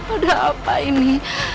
ada apa ini